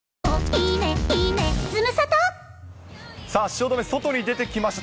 さあ、汐留、外に出てきました。